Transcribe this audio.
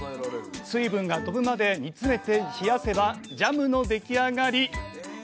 水分が飛ぶまで煮詰めて冷やせばジャムの出来上がり！